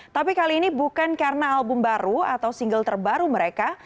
tapi kali ini bukan karena album baru atau single terbaru mereka